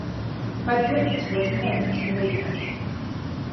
Mae'r gwynt wedi newid cyfeiriad.